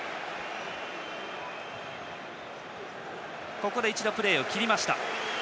ここで一度プレーを切りました。